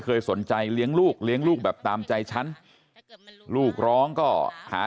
เคยสนใจเลี้ยงลูกเลี้ยงลูกแบบตามใจฉันลูกร้องก็หา